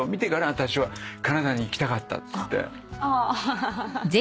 あたしはカナダに行きたかった」っつって。